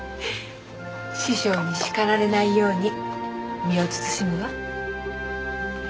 師匠に叱られないように身を慎むわ。